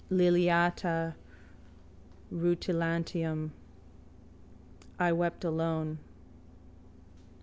Liliata rutilantium. I wept alone.